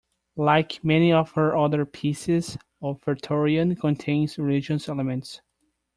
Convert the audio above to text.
Like many of her other pieces, "Offertorium" contains religious elements.